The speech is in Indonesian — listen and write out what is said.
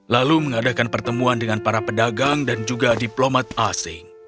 lalu mengadakan pertemuan dengan para pedagang dan juga diplomat asing